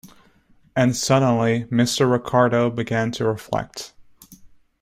And suddenly, Mr. Ricardo began to reflect.